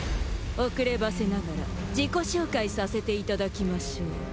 遅ればせながら自己紹介させていただきましょう。